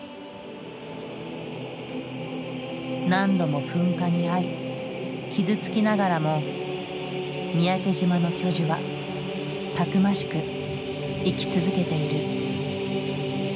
何度も噴火に遭い傷つきながらも三宅島の巨樹はたくましく生き続けている。